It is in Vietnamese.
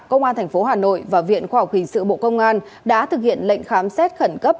công an tp hà nội và viện khoa học hình sự bộ công an đã thực hiện lệnh khám xét khẩn cấp